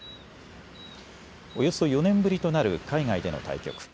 およそ４年ぶりとなる海外での対局。